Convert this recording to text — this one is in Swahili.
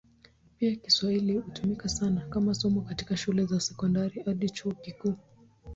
Pia Kiswahili hutumika kama somo katika shule za sekondari hadi chuo kikuu.